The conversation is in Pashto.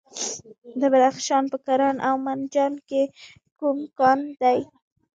د بدخشان په کران او منجان کې کوم کان دی؟